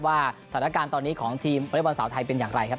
ว่าสถานการณ์ตอนนี้ของทีมวอเล็กบอลสาวไทยเป็นอย่างไรครับ